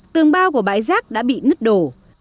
tường bao của bãi giác đã bị nứt đổ